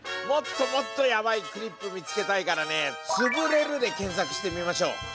もっともっとヤバイクリップ見つけたいからね「つぶれる」で検索してみましょう！